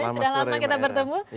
sudah lama kita bertemu